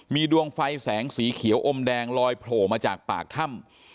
มีดวงไฟแสงสีเขียวอมแดงลอยโผล่มาจากปากถ้ำ